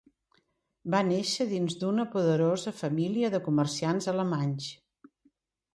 Va néixer dins d'una poderosa família de comerciants alemanys.